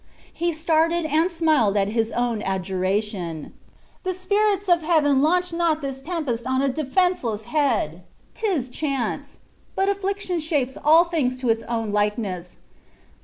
He started and smiled at his own adjuration. "The spirits of Heaven launch not this tempest on a defenseless head; 'tis chance! but affliction shapes all things to its own likeness.